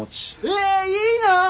えいいな！